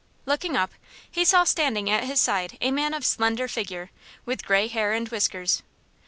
Looking up, he saw standing at his side a man of slender figure, with gray hair and whiskers.